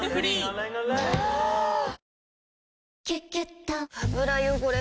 ぷはーっ「キュキュット」油汚れ